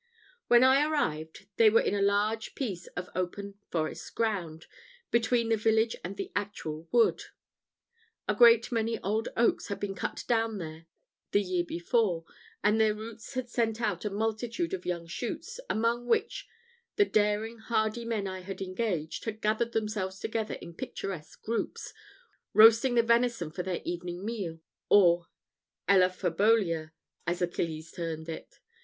When I arrived, they were in a large piece of open forest ground, between the village and the actual wood. A great many old oaks had been cut down there the year before, and their roots had sent out a multitude of young shoots, amongst which the daring, hardy men I had engaged, had gathered themselves together in picturesque groups, roasting the venison for their evening meal, or elaphobolia, as Achilles termed it.